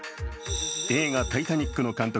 映画「タイタニック」の監督